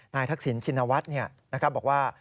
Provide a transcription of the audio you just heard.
ทักษิณชินวัฒน์บอกว่า